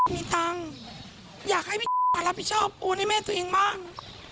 มีตังค์อยากให้พี่มารับผิดชอบโอนให้แม่ตัวเองบ้าง